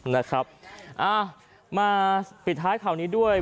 นะครับอ่ามาปิดท้ายข่าวนี้ด้วย